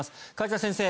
梶田先生